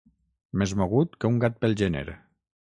Més mogut que un gat pel gener.